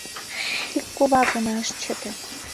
Ик кува гына ыш чыте.